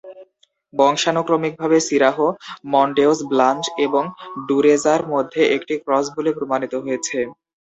বংশানুক্রমিকভাবে সিরাহ মনডেউস ব্লাঞ্চ এবং ডুরেজার মধ্যে একটি ক্রস বলে প্রমাণিত হয়েছে।